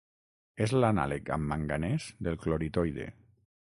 És l'anàleg amb manganès del cloritoide.